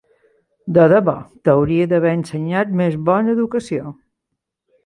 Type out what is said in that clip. De debò, t'hauria d'haver ensenyat més bona educació!